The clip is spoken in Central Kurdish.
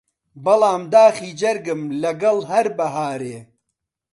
بەڵام داخی جەرگم لەگەڵ هەر بەهارێ